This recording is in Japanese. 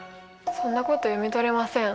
そんなこと読み取れません。